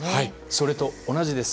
それと同じです。